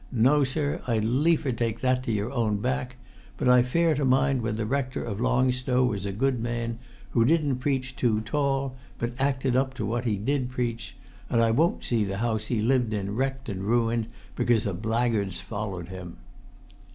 No, sir, I'd liefer take that to your own back; but I fare to mind when the Rector of Long Stow was a good man, who didn't preach too tall, but acted up to what he did preach; and I won't see the house he lived in wrecked and ruined because a blackguard's followed him."